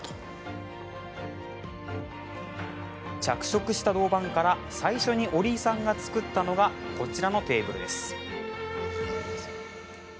着色した銅板から最初に折井さんが作ったのがこちらのテーブルです。